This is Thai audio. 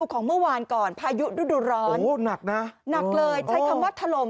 ของเมื่อวานก่อนพายุฤดูร้อนโอ้โหหนักนะหนักเลยใช้คำว่าถล่ม